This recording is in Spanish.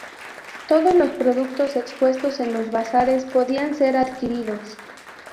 Todos los productos expuestos en los bazares podían ser adquiridos.